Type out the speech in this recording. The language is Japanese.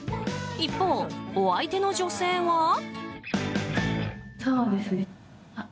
一方、お相手の女性は。